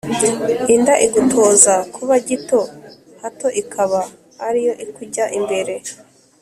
inda igutoza kuba gito hato ikaba ari yo ikujya imbere